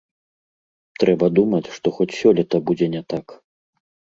Трэба думаць, што хоць сёлета будзе не так.